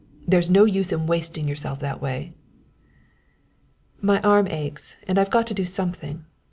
"There's no use in wasting yourself that way." "My arm aches and I've got to do something.